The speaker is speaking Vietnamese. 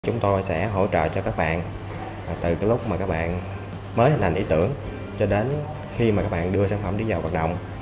chúng tôi sẽ hỗ trợ cho các bạn từ cái lúc mà các bạn mới hình thành ý tưởng cho đến khi các bạn đưa sản phẩm đi vào hoạt động